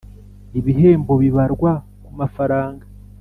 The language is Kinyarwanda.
Ibihembo bibarwa ku mafaranga